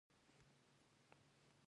په دين کښې هم اول دعوت ديه.